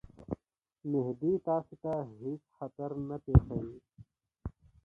مهدي تاسي ته هیڅ خطر نه پېښوي.